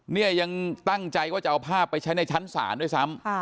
เนี่ยยังตั้งใจว่าจะเอาภาพไปใช้ในชั้นศาลด้วยซ้ำ